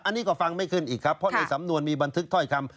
อันนี้ก็ฟังไม่ขึ้นอีกครับเพราะในสำนวนมีบันทึกถ้อยคำ